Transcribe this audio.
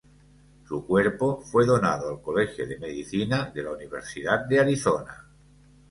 Su cuerpo fue donado al colegio de medicina de la Universidad de Arizona.